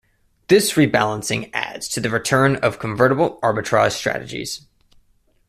This rebalancing adds to the return of convertible arbitrage strategies.